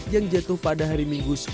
yang jatuh pada hari minggu